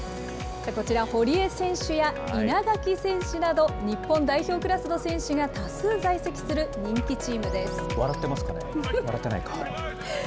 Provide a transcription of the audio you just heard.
こちら、堀江選手や稲垣選手など、日本代表クラスの選手が多数在籍笑ってますかね。